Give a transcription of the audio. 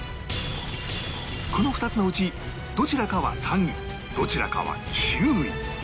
この２つのうちどちらかは３位どちらかは９位